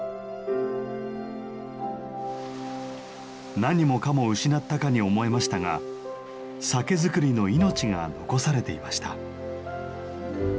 何もかも失ったかに思えましたが「酒造りの命」が残されていました。